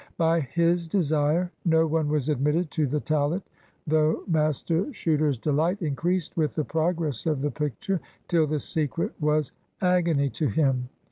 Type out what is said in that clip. By his desire no one was admitted to the tallet, though Master Chuter's delight increased with the progress of the picture till the secret was agony to him.